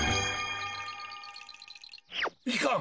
いかん。